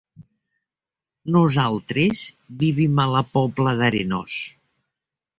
Nosaltres vivim a la Pobla d'Arenós.